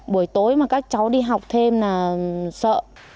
buổi tối mà các cháu đi học thêm là sợ